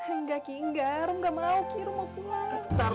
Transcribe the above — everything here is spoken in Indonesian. engga ki engga rum ga mau ki rum mau pulang